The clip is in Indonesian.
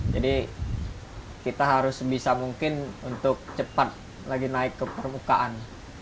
jadi kita harus bisa mungkin untuk cepat lagi naik ke permukaan